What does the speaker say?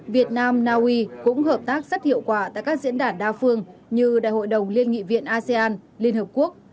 việt nam naui cũng hợp tác rất hiệu quả tại các diễn đàn đa phương như đại hội đồng liên nghị viện asean liên hợp quốc